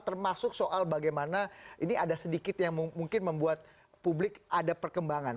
termasuk soal bagaimana ini ada sedikit yang mungkin membuat publik ada perkembangan